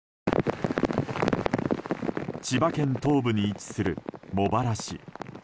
千葉県東部に位置する茂原市。